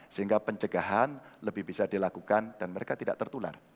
sehingga pencegahan lebih bisa dilakukan dan mereka tidak tertular